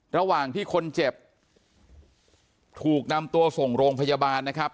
ระหว่างที่คนเจ็บถูกนำตัวส่งโรงพยาบาลนะครับ